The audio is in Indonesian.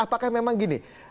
apakah memang gini